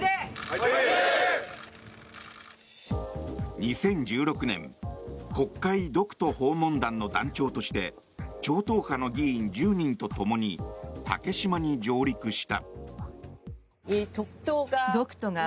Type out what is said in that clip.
２０１６年国会独島訪問団の団長として超党派の議員１０人とともに竹島に上陸した。